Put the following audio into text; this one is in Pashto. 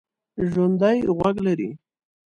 ژوندي غوږ لري